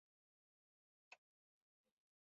خلکو اقتصادي فرصتونو ته په اسانه لاسرسی پیدا کړی دی.